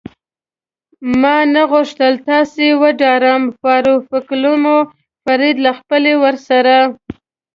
ما نه غوښتل تاسې وډاروم، فاروقلومیو فرید له خپلې ورسره.